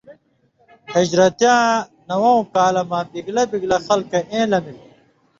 ہِجرتِیاں نوؤں کالہ مہ بِگلاں بِگلاں خلکہ اېں لمِل۔